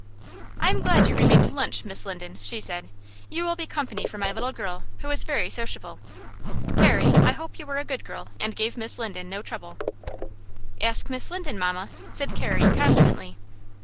"I am glad you remained to lunch, Miss Linden," she said. "You will be company for my little girl, who is very sociable. Carrie, I hope you were a good girl, and gave Miss Linden no trouble." "Ask Miss Linden, mamma," said Carrie, confidently.